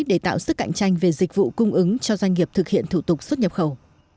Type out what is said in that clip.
để tạo sức cạnh tranh về dịch vụ cung ứng cho doanh nghiệp thực hiện thủ tục xuất nhập khẩu